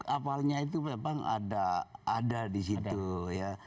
awalnya itu memang ada di situ ya